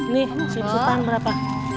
nih sip sipan berapa